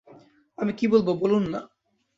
আমি কী বলব বলুন-না।